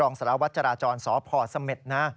รองสระวัจจาราจรสพเสม็ดนะ